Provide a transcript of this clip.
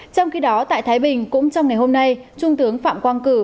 trong khi đó tại thái bình cũng trong ngày hôm nay trung tướng phạm quang cử